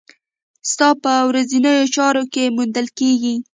ستا په ورځنيو چارو کې موندل کېږي.